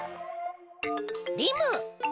リム。